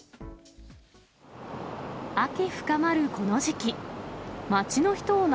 秋深まるこの時期。